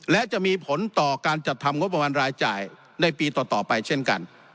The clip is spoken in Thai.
และจะมีผลต่อการจัดทำงบประมาณรายจ่ายในปีต่อไปเช่นกัน